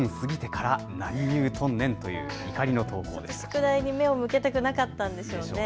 宿題に目を向けたくなかったんでしょうね。